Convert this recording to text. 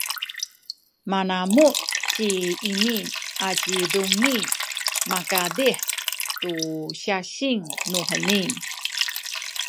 manamuh ci Imi aci Dungi makazih tu syasing nuheni.